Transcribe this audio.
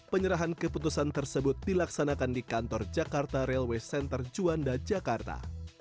penyerahan keputusan tersebut dilaksanakan di kantor jakarta railways center juanda jakarta